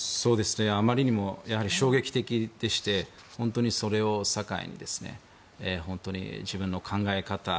あまりにも衝撃的でして本当にそれを境に自分の考え方